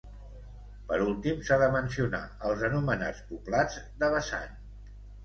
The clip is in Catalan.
Per últim, s’ha de mencionar els anomenats poblats de vessant.